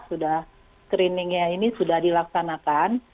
screeningnya ini sudah dilaksanakan